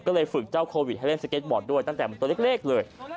ก็เลยฝึกเจ้าโควิดให้เล่นสเก็ตบอร์ดด้วยตั้งแต่ตัวเล็กเลย